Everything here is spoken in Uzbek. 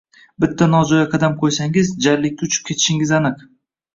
Bitta nojo’ya qadam qo’ysangiz, jarlikka uchib ketishingiz aniq!